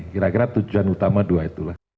kira kira tujuan utama dua itulah